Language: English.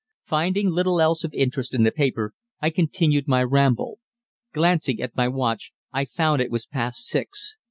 Finding little else of interest in the paper, I continued my ramble. Glancing at my watch I found it was past six.